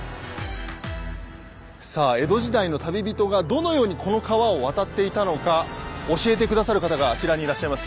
さあ江戸時代の旅人がどのようにこの川を渡っていたのか教えて下さる方があちらにいらっしゃいます。